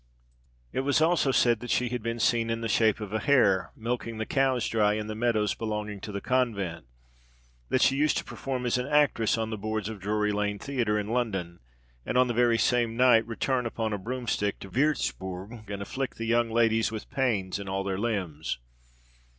It was also said that she had been seen in the shape of a hare, milking the cows dry in the meadows belonging to the convent; that she used to perform as an actress on the boards of Drury Lane theatre in London, and, on the very same night, return upon a broomstick to Würzburg, and afflict the young ladies with pains in all their limbs.